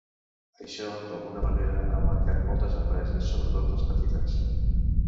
Això, d’alguna manera, ha marcat moltes empreses, sobretot les petites.